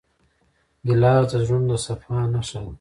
ګیلاس د زړونو د صفا نښه ده.